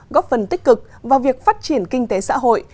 góp phần tích cực vào việc phát triển kinh tế xã hội